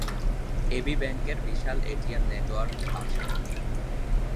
AB ব্যাংকের বিশাল ATM network আছে।